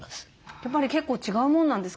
やっぱり結構違うもんなんですか？